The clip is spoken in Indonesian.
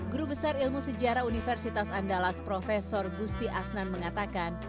guru besar ilmu sejarah universitas andalas prof gusti asnan mengatakan